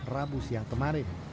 rabu siang kemarin